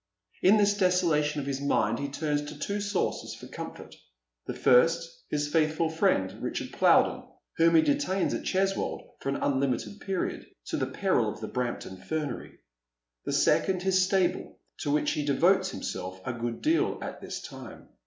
In this desolation of his mind he turns to two sources for comfort— the first, his faithful friend, Richard Plowden, whom be detains at Cheswold for an unlimited period^ to the penl of the Brompton fernery ; the second, his stable, to which he devotes himself a good deal at this time.